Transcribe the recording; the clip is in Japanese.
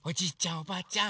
おばあちゃん